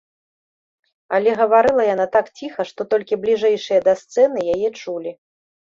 Але гаварыла яна так ціха, што толькі бліжэйшыя да сцэны яе чулі.